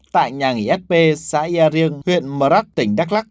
tại nhà nghỉ fp xã yà riêng huyện mờ rắc tỉnh đắk lắc